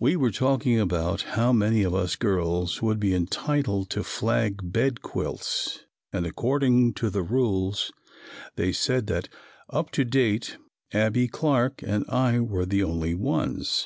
We were talking about how many of us girls would be entitled to flag bed quilts, and according to the rules, they said that, up to date, Abbie Clark and I were the only ones.